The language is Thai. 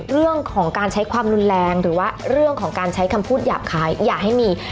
เรื่องของการใช้ความรุนแรงหรือว่าเรื่องของการใช้คำพูดหยาบคลายอย่าให้มี